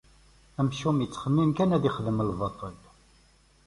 Amcum ittxemmim kan ad ixdem lbaṭel.